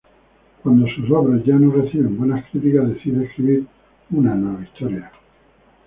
Cuando sus obras ya no reciben buenas críticas decide escribir una nueva historia.